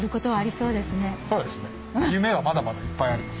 そうですね夢はまだまだいっぱいあります。